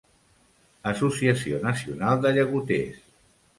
Associació nacional de llagoters.